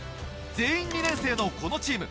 全員２年生のこのチーム。